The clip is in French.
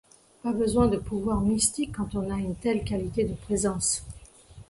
Pas besoin de pouvoirs mystiques quand on a une telle qualité de présence.